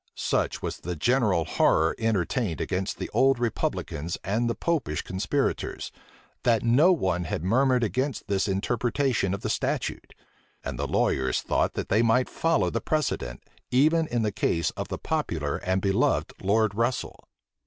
Such was the general horror entertained against the old republicans and the Popish conspirators, that no one had murmured against this interpretation of the statute; and the lawyers thought that they might follow the precedent, even in the case of the popular and beloved Lord Russel.